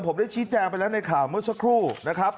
ผมได้ชี้แจงไปแล้วในข่าวเมื่อสักครู่นะครับ